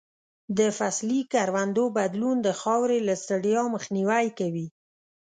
د فصلي کروندو بدلون د خاورې له ستړیا مخنیوی کوي.